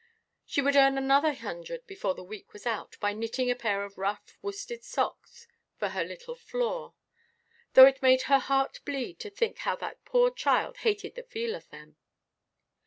She would earn another hundred before the week was out by knitting a pair of rough worsted socks for her little Flore, "though it made her heart bleed to think how that poor child hated the feel of them."